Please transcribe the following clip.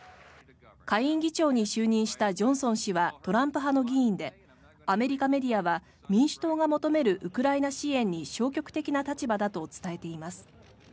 下院議長に就任したジョンソン氏はトランプ派の議員でアメリカメディアは民主党が求めるウクライナ支援に消極的な立場だと伝えています。